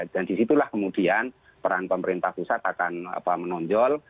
dan disitulah kemudian peran pemerintah pusat akan menonjol